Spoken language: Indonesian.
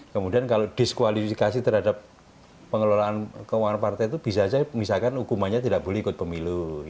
kemudian kalau diskualifikasi terhadap pengelolaan keuangan partai itu bisa saja misalkan hukumannya tidak boleh ikut pemilu